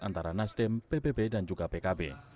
antara nasdem pbb dan juga pkb